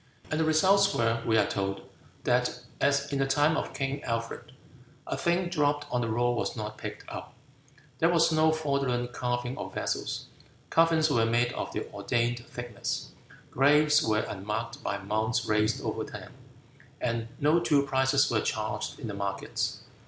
And the results were, we are told, that, as in the time of King Alfred, a thing dropped on the road was not picked up; there was no fraudulent carving of vessels; coffins were made of the ordained thickness; graves were unmarked by mounds raised over them; and no two prices were charged in the markets.